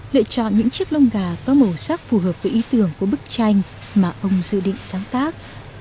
lựa chọn những chiếc lông gà có màu sắc phù hợp với ý tưởng của bức tranh mà ông dự định sáng tác